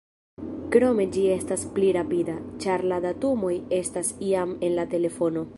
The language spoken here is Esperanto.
Krome ĝi estas pli rapida, ĉar la datumoj estas jam en la telefono.